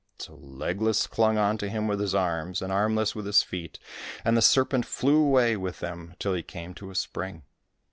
So Legless clung on to him with his arms and Arm less with his feet, and the serpent flew away with them till he came to a spring.